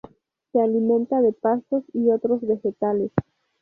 Se alimenta de pastos y otros vegetales.